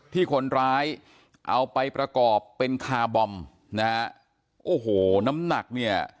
ที่คนร้ายเอาไปประกอบเป็นคาร์บอมนะฮะโอ้โหน้ำหนักเนี่ย